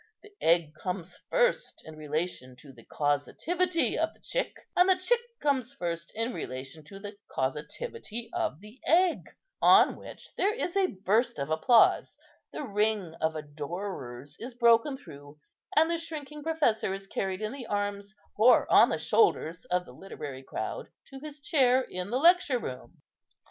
The egg comes first in relation to the causativity of the chick, and the chick comes first in relation to the causativity of the egg,' on which there is a burst of applause; the ring of adorers is broken through, and the shrinking professor is carried in the arms or on the shoulders of the literary crowd to his chair in the lecture room."